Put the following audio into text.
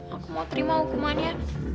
aku mau terima hukumannya